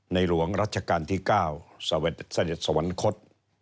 ในหลวงรัชกาลที่๙สวัสดิษฐ์สวรรคต